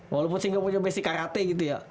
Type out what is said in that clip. walaupun saya nggak punya besi karate gitu ya